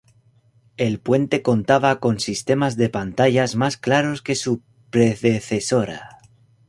El puente contaba con sistemas de pantallas más claros que su predecesora.